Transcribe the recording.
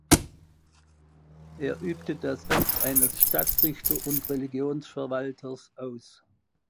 Er übte das Amt eines Stadtrichter und Religionsverwalters aus.